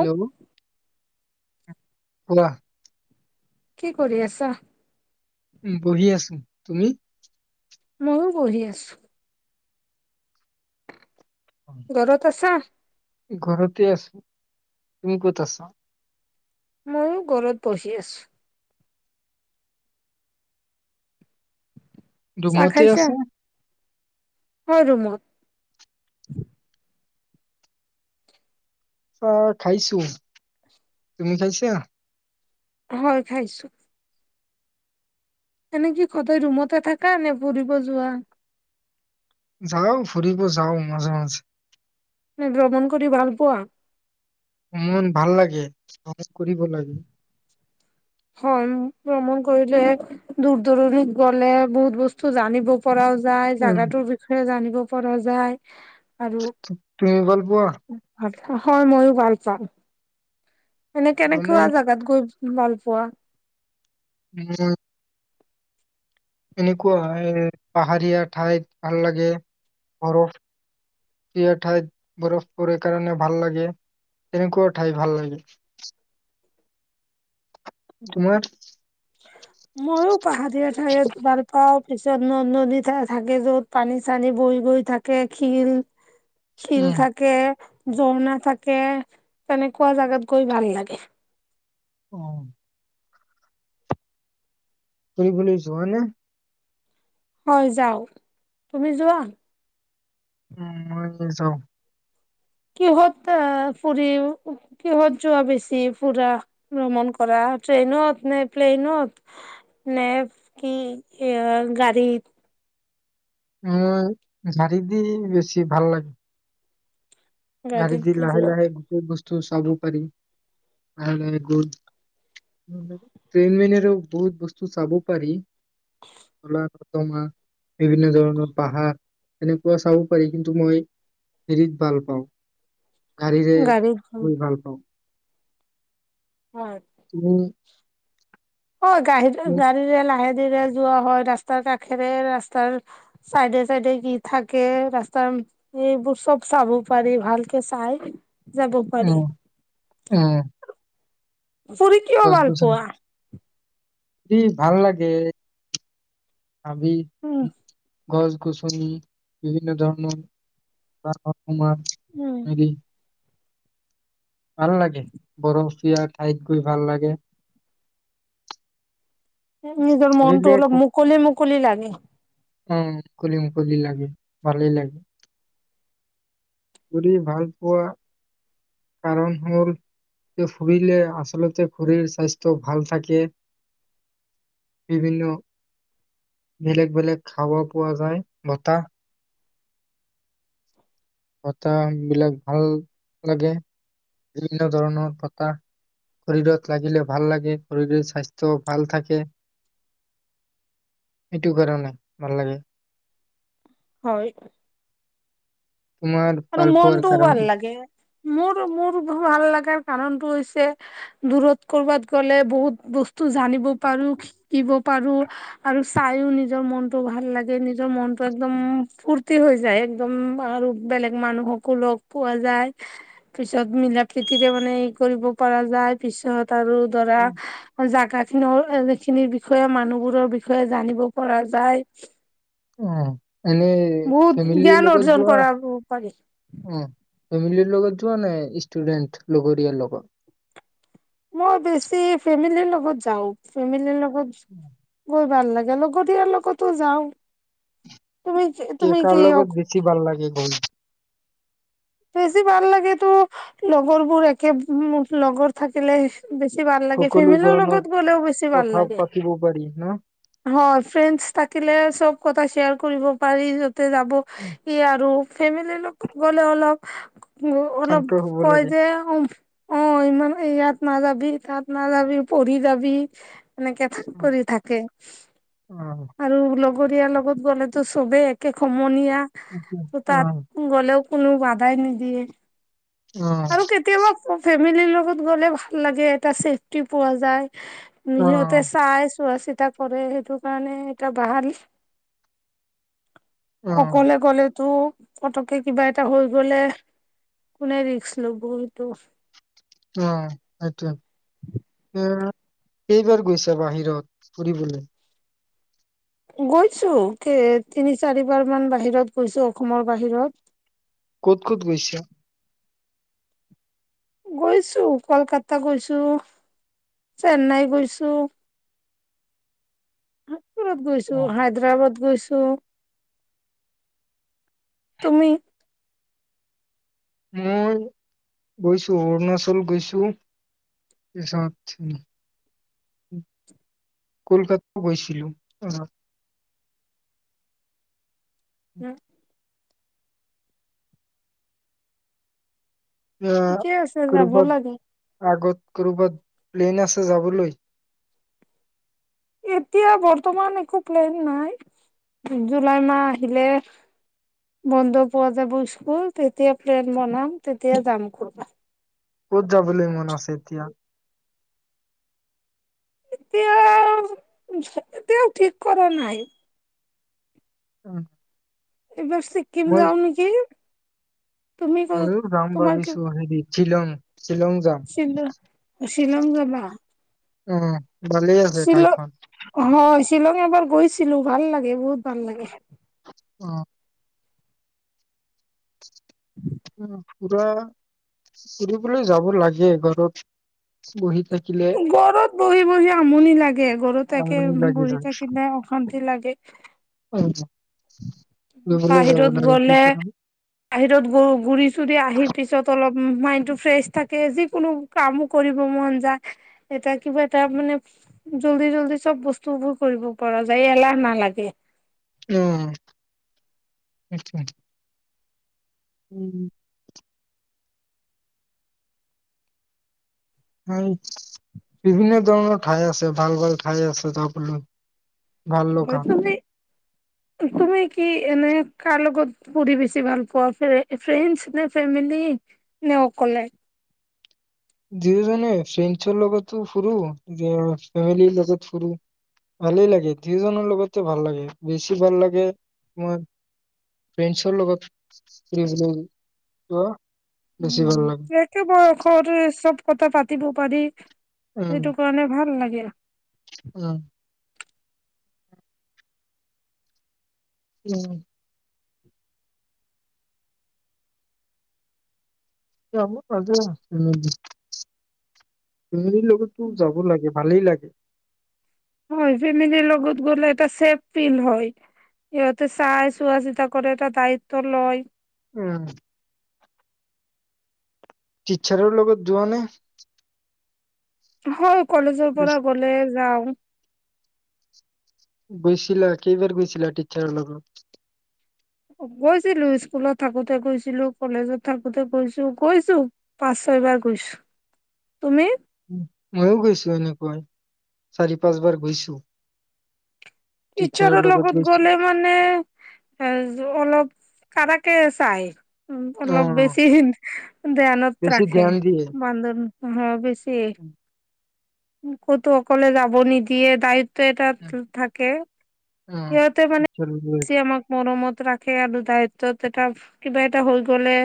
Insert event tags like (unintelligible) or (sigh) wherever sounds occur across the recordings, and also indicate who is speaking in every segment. Speaker 1: অ
Speaker 2: (unintelligible)
Speaker 1: কি কৰি আছা।
Speaker 2: উম বহি আছো তুমি।
Speaker 1: মইও বহি আছো।
Speaker 2: হয়।
Speaker 1: ঘৰত আছা
Speaker 2: ঘৰতে আছো তুমি ক'ত আছা।
Speaker 1: ময়ো ঘৰত বহি আছোঁ
Speaker 2: ৰুমতে আছে
Speaker 1: অ, ৰুমত।
Speaker 2: অ খাইছো তুমি খাইছা।
Speaker 1: হয় খাইছো। এনেকে সদায় ৰুমতে থাকা নে ফুৰিব যোৱা।
Speaker 2: যাও ফুৰিব যাও মাজে মাজে
Speaker 1: তুমি ভ্ৰমণ কৰি ভাল পোৱা
Speaker 2: মন ভাল লাগে সহায় কৰিব লাগে
Speaker 1: হয় ভ্ৰমণ কৰিলে দূৰ দূৰণিত গলে বহুত বস্তু জানিব পৰাও যায়
Speaker 2: উম,
Speaker 1: জাগাটোৰ বিষয়ে জানিব ও পৰা যায় আৰু
Speaker 2: তু তুমি ভাল পোৱা
Speaker 1: হয় মইও ভাল পাম এনে
Speaker 2: ভ্ৰমণ?
Speaker 1: কেনেকুৱা জাগাত গৈ ভাল পোৱা
Speaker 2: উম (unintelligible) এনেকুৱা পাহাৰীয়া ঠাইত ভাল লাগে বৰফীয়া ঠাইত বৰফ পৰে কাৰণে ভাল লাগে তেনেকুৱা ঠাই ভাল লাগে তোমাৰ
Speaker 1: মইও পাহাৰীয়া ঠাই ভাল পাওঁ তাৰ পিছত ন নদী থাকে যত পানী চানী ব‌ৈ গৈ থাকে শিল শিল
Speaker 2: উম।
Speaker 1: থাকে জোক নাথাকে তেনেকুৱা জাগাত গৈ ভাল লাগে
Speaker 2: উম্ কি বুলি যোৱা নে
Speaker 1: হয় যাওঁ তুমি যোৱা
Speaker 2: উম মই যাওঁ
Speaker 1: কিহত আহ ফুৰি কিহত যোৱা বেছি ফুৰা ভ্ৰমণ কৰা ট্ৰেইনত নে প্লেইনত নে কি এ গাড়ীত
Speaker 2: উম গাড়ী দি বেছি ভাল লাগে গ‌‌াড়ী
Speaker 1: গাড়ীত
Speaker 2: দি লাহে
Speaker 1: যোৱা।
Speaker 2: লাহে (unintelligible) চাব পাৰি (unintelligible) ট্ৰেইনেৰে ও বহুত বস্তু চাব পাৰি অলা মাহ বিভিন্ন ধৰণৰ পাহাৰ এনেকুৱা চাব পাৰি কিন্তু মই হেৰিত ভাল পাওঁ গাড়ীৰে
Speaker 1: গাড়ীত যোৱা
Speaker 2: গৈ ভাল পাওঁ
Speaker 1: হয়
Speaker 2: তুমি
Speaker 1: অই গাড়ীটো
Speaker 2: উম,
Speaker 1: গাড়ীৰে লাহে দিৰে যোৱা হয় ৰাস্তাৰ কাষেৰে ৰাস্তাৰ চাইডে চাইডে যি থাকে ৰাস্তাৰ এইবোৰ চব চাব পাৰি ভালকে চাই যাব পাৰি
Speaker 2: উম উম
Speaker 1: ফুৰি কিয় ভালপোৱা
Speaker 2: কি ভাল লাগে আমি
Speaker 1: উম
Speaker 2: গছ গছনি বিভিন্ন ধৰণৰ উমাৰ
Speaker 1: উম
Speaker 2: হেৰি ভাল লাগে বৰফীয়া ঠাইত গৈ ভাল লাগে
Speaker 1: নিজৰ
Speaker 2: ঘূৰিলে
Speaker 1: মনটো অলপ মুকলি মুকলি লাগে।
Speaker 2: অ মুকলি মুকলি লাগে ভালেই লাগে ফুৰি ভাল পোৱা কাৰণ হল যে ফুৰিলে আচলতে শৰীৰ স্বাস্থ্য ভাল থাকে বিভিন্ন বেলেগ বেলেগ হাবা পোৱা যায় বতাহ কথা বিলাক ভাল লাগে বিভিন্ন ধৰণৰ বতাহ শৰীৰত লাগিলে ভাল লাগে শৰীৰৰ স্বাস্থ ভাল থাকে সেইটো কাৰণে ভাল লাগে
Speaker 1: হয়
Speaker 2: তোমাৰ
Speaker 1: আৰু
Speaker 2: ভাল পোৱাৰ
Speaker 1: মনটোও ভাল
Speaker 2: কাৰণটো
Speaker 1: লাগে মোৰ মোৰ ভাল লগাৰ কাৰণতটো হৈছে দূৰত কৰ'বাত গ'লে বহুত বস্তু জানিব পাৰো শিকিব পাৰো আৰু চাইও নিজৰ মনতটো ভাল লাগে নিজৰ মনতটো একদম ফূৰ্তি হৈ যায় একদম আৰু বেলেগ মানুহকো লগ পোৱা যায় পিছত মিলা প্ৰীতিৰে মানে ই কৰিব পৰা যায় পিছত তাৰো ধৰা জাগাত ন অডমিত খিনিৰ বিষয়ে মানুহবোৰৰ বিষয়ে জানিব পৰা যায়
Speaker 2: অ', এনেই
Speaker 1: বহুত
Speaker 2: ফেমিলিৰ
Speaker 1: জ্ঞান
Speaker 2: লগত
Speaker 1: অৰ্জন
Speaker 2: যোৱা?
Speaker 1: কৰা লাগে
Speaker 2: অ'। ফেমিলিৰ লগত যোৱা নাই ইষ্টুডেন্ট লগৰীয়াৰ লগত
Speaker 1: মই বেছি ফেমিলিৰ লগত যাওঁ ফেমিলিৰ লগত শুচ শুচ ভাল লাগে লগৰীয়াৰ লগতো যাওঁ
Speaker 2: কি কাৰ লগত বেছি ভাল লাগে গৈ
Speaker 1: বেছি ভাল লাগেতো লগৰবোৰ একে লগত থাকিলে বেছি ভাল লাগে
Speaker 2: সকলো
Speaker 1: ফেমিলিৰ
Speaker 2: ধৰণৰ
Speaker 1: লগত গ'লেও বেছি ভাল
Speaker 2: কথা
Speaker 1: লাগে
Speaker 2: পাতিব পাৰি ন
Speaker 1: হয় ফ্ৰেণ্ডছ থাকিলে চব কথা শ্বেয়াৰ কৰিব পাৰি তে যাব এই আৰু ফেমিলি লগত গ'লে অলপ
Speaker 2: শান্ত
Speaker 1: অলপ
Speaker 2: হব
Speaker 1: কয়
Speaker 2: লাগে
Speaker 1: যে উম অ ইমান ইয়াত নাযাবি তাত নাযাবি পৰি যাবি এনেকে ঠাক কৰি থাকে
Speaker 2: অ
Speaker 1: আৰু লগৰীয়াৰ লগত গ'লেতো চবেই একে সমনীয়া
Speaker 2: উম
Speaker 1: অ তাত
Speaker 2: উম
Speaker 1: গ'লেও কোনো বাধাই নিদিয়ে আৰু কেতিয়াবা ফে ফেমিলিৰ লগত গ'লে ভাল লাগে এটা চেফটি পোৱা যায় ইহতে
Speaker 2: উম
Speaker 1: চাই চোৱা চিতা কৰে সেইটো কাৰণে এটা বাহাদুৰি
Speaker 2: উম উম
Speaker 1: (unintelligible) তটো পতকে কিবা এটা হৈ গ'লে কোনে ৰিক্স ল'ব এইটো?
Speaker 2: অ' এইটোয়ে এ কেইবাৰ গৈছা বাহিৰত ফুৰিবলৈ?
Speaker 1: গৈছো কে, তিনি চাৰিবাৰ মান বাহিৰত গৈছো অসমৰ বাহিৰত।
Speaker 2: ক'ত ক'ত গৈছা?
Speaker 1: গৈছো কলকাতা গৈছো, চেন্নাই গৈছো। (inaudible) ৰত গৈছো,
Speaker 2: অ
Speaker 1: হায়দৰাবাদ গৈছো। ছ'। তুমি?
Speaker 2: মই গৈছো, অৰুণাচল গৈছো, তাৰ পিছত উম, উম, কলকাত গৈছিলো। (unintelligible)
Speaker 1: (inaudible)
Speaker 2: ইয়া,
Speaker 1: ঠিকে আছে যাব
Speaker 2: ক'ৰবাত
Speaker 1: লাগে
Speaker 2: আগত। ক'ৰবাত প্লেন আছে যাবলৈ?
Speaker 1: এতিয়া বৰ্তমান একো প্লেন নাই, জু-জুলাই মাহ আহিলে বন্ধ পোৱা যাব স্কুল, তেতিয়া প্লেন বনাম তেতিয়া যাম ক'ৰবাত।
Speaker 2: ক'ত যাবলৈ মন আছে এতিয়া?
Speaker 1: এতিয়া (unintelligible) এতিয়াও ঠিক কৰা নাই।
Speaker 2: উম।
Speaker 1: এইবাৰ চিক্কিম যাওঁ নেকি? তুমি ক
Speaker 2: মইও যাম ভাবিছোঁ হেৰিত। শিলং।
Speaker 1: শিল, শ্বিলং যাবা?
Speaker 2: উম। ভালে আছে
Speaker 1: শ্বিলং
Speaker 2: ঠাইখন।
Speaker 1: হয় শ্বিলং এবাৰ গৈছিলো ভাল লাগে বহুত। ভাল লাগে।
Speaker 2: অ উম, যোৱা আকা, (unintelligible) যাৱ লগে গৰত, বহীতে
Speaker 1: গৰত বহি বহি আমনি লাগে, গৰত থাকে
Speaker 2: আমনি লাগি
Speaker 1: বহি
Speaker 2: যায়
Speaker 1: থাকিলে অশান্তি লাগে।
Speaker 2: অ
Speaker 1: বাহিৰত গ'লে
Speaker 2: (unintelligible)
Speaker 1: বাহিৰত গ গোৰি চুৰি আহি পিছত অলপ ম মাইণ্ডটো ফ্ৰেছ থাকে, যিকোনো কামো কৰিব মন যায়, এটা কিবা এটা মানে জল্দি-জল্দি চব বস্তুবোৰ কৰিব পৰা যায়, এলাহ নালাগে।
Speaker 2: উম, উমহহো, উম। উম, বিভিন্ন ধৰণৰ ঠাই আছে, ভাল ভাল ঠাই আছে যাবলৈ। ভাল লগা
Speaker 1: হয় তুমি (unintelligible) তুমি কি এনে কাৰ লগত পদি বেছি ভাল পোৱা, ফ্ৰে-ফ্ৰেণ্ডচ নে ফেমিলি নে অকলে?
Speaker 2: দুয়োজনে ফ্ৰেণ্ডছৰ লগতো ফুৰো (unintelligible) ফেমিলিৰ লগত ফুৰো, ভালেই লাগে দুয়োজনৰ লগতে ভাল লাগে বেছি ভাল লাগে মই ফ্ৰেনডছৰ লগত ফুৰিবলৈ। (unintelligible) লাগে
Speaker 1: একে বৰ খৰতেই চব। কথা পাতিব পাৰি।
Speaker 2: উম
Speaker 1: এইটো কাৰণে ভাল লাগ। এ
Speaker 2: উম। উম। এ আমাৰ মাজেৰে। চনদীৰ লগতো যাব লাগে, ভালেই লাগে।
Speaker 1: হয় ফেমিলিৰ লগত গ'লে এটা চেফ ফিল হয়। সিহঁতে চাই চোৱা-চিতা কৰে, এটা দায়িত্ব লয়।
Speaker 2: উম। টিচাৰৰ লগত যোৱা নে?
Speaker 1: হয়। কলেজৰ পৰা
Speaker 2: বেছ-
Speaker 1: গ'লে যাওঁ।
Speaker 2: গৈছিলা? কেইবাৰ গৈছিলা টিচাৰৰ লগত?
Speaker 1: গৈছিলো স্কুলত থাকোতে গৈছিলো, কলেজত থাকোতে গৈছো, গৈছো পাঁচ ছয়বাৰ গৈছো। তুমি?
Speaker 2: ময়ো গৈছো এনেকৈ চাৰি পাঁচ বাৰ গৈছো।
Speaker 1: টিচাৰৰ লগত গ'লে মানে এ অলপ কাবাকে চাই। উম
Speaker 2: অ
Speaker 1: অলপ বেছি হীন (unintelligible) ধ্যানত
Speaker 2: বেছি
Speaker 1: ৰাখে।
Speaker 2: ধ্যান দিয়ে
Speaker 1: বান্ধোন হে বেছি। ক'তো অকলে যাব নিদিয়ে গাড়ীত। এটাত থাকে।
Speaker 2: অ
Speaker 1: সিহঁতে মানে বেছি আমাক মৰমত ৰাখে আৰু দায়িত্বত এটা কিবা এটা হৈ গ'লে।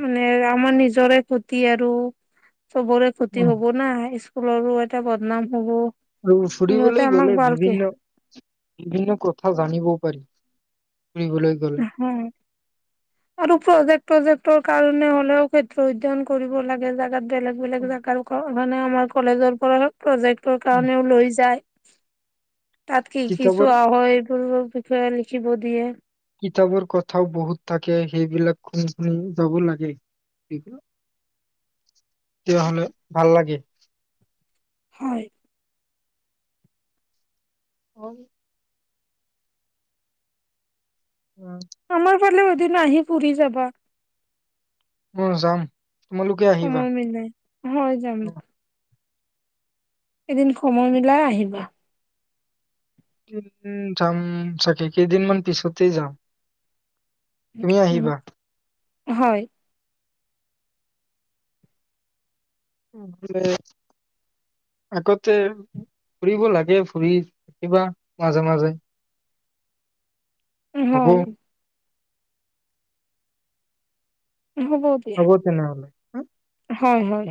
Speaker 1: মানে আমাৰ নিজৰে ক্ষতি আৰু। চবৰে ক্ষতি হ'ব। স্কুলৰো এটা বদনাম হ'ব।
Speaker 2: আৰু
Speaker 1: সিহঁতে
Speaker 2: ফুৰিবলৈ
Speaker 1: আমাক
Speaker 2: গ'লে
Speaker 1: ভালকে
Speaker 2: বিভিন্ন। বিভিন্ন কথা জানিবও পাৰি। ফুৰিবলৈ গ'ল
Speaker 1: আৰু প্ৰজেক্ট প্ৰজেক্টৰ কাৰণে হ'লেও ক্ষেত্ৰ অধ্যয়ন কৰিব লাগে জাগাত বেলেগ বেলেগ
Speaker 2: উম,
Speaker 1: জাগাৰ লোকক মানে আমাৰ কলেজৰ পৰা প্ৰজেক্টৰ
Speaker 2: উম।
Speaker 1: কাৰণেও লৈ যায়। তাত কি কি
Speaker 2: কিতাপৰ
Speaker 1: চোৱা হয় কি কি বিষয়ে লিখিব দিয়ে
Speaker 2: কিতাপৰ কথাও বহুত থাকে সেইবিলাক শুনি শুনি যাব লাগে সেইবিলাক তেতিয়াহ'লেও ভাল লাগে।
Speaker 1: হয়।
Speaker 2: (unintelligible)
Speaker 1: আমাৰ
Speaker 2: (unintelligible)
Speaker 1: এদিন আহি পুৰি যাবা।
Speaker 2: উম, যাম। তোমালোকে আহিবা
Speaker 1: সময় মিলাই, হয় যাম।
Speaker 2: অ,
Speaker 1: এদিন সময় মিলাই আহিবা।
Speaker 2: যাম চাগে, কেইদিনমান পিছতেই যাম। তুমিও আহিবা।
Speaker 1: হয়।
Speaker 2: আগতে, ফুৰিব লাগে ফুৰি থাকিবা মাজে-মাজে।
Speaker 1: হয়
Speaker 2: হ'ব, তেনেহ'লে
Speaker 1: হয়, হয়।